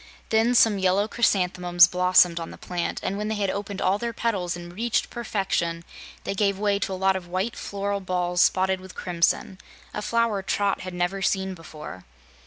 Then some yellow chrysanthemums blossomed on the plant, and when they had opened all their petals and reached perfection, they gave way to a lot of white floral balls spotted with crimson a flower Trot had never seen before.